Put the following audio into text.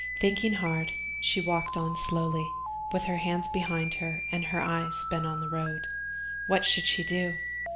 Thinking hard, she walked on slowly, with her hands behind her and her eyes bent on the road. What should she do?